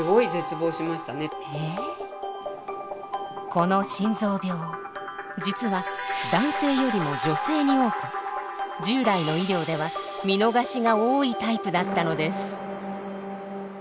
この心臓病実は男性よりも女性に多く従来の医療では見逃しが多いタイプだったのです。